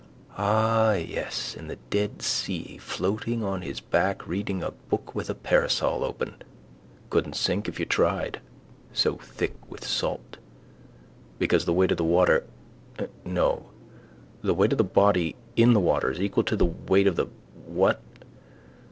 Ah yes, in the dead sea floating on his back, reading a book with a parasol open. Couldn't sink if you tried: so thick with salt. Because the weight of the water, no, the weight of the body in the water is equal to the weight of the what?